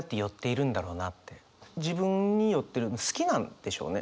自分に酔ってる好きなんでしょうね。